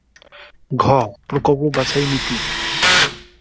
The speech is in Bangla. ঘ. প্রকল্প বাছাই নীতি